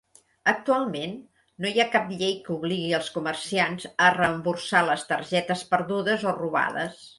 Actualment, no hi ha cap llei que obligui als comerciants a reemborsar les targetes perdudes o robades.